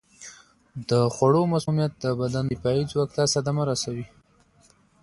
د خوړو مسمومیت د بدن دفاعي ځواک ته صدمه رسوي.